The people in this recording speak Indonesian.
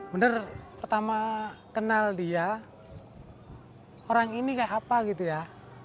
bener pertama kenal dia orang ini kayak apa gitu ya